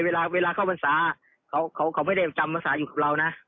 เวลาเข้าพรรษาเขาไม่ได้จำภาษาอยู่กับเรานะ